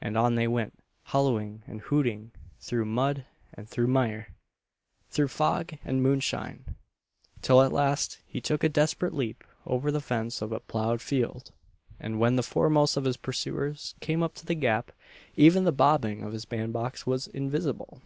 and on they went, hallooing and hooting, through mud and through mire, through fog and moonshine, till at last he took a desperate leap over the fence of a ploughed field; and when the foremost of his pursuers came up to the gap, even the bobbing of his band box was invisible!